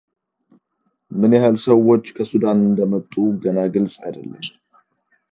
ምን ያህል ሰዎች ከሱዳን እንደወጡ ገና ግልጽ አይደለም።